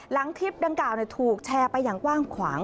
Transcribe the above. คลิปดังกล่าวถูกแชร์ไปอย่างกว้างขวาง